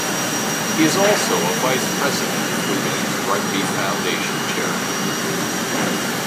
He is also a Vice President of the Leeds Rugby Foundation charity.